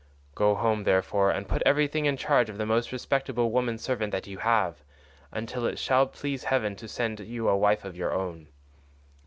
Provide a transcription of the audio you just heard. Go home, therefore, and put everything in charge of the most respectable woman servant that you have, until it shall please heaven to send you a wife of your own.